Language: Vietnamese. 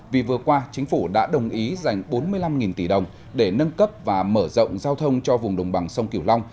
vì vừa qua chính phủ đã đồng ý dành bốn mươi năm tỷ đồng để nâng cấp và mở rộng giao thông cho vùng đồng bằng sông kiểu long